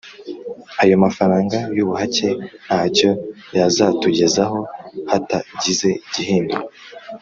ayo mafaranga y’ ubuhake ntacyo yazatugezeho hatagize igihinduka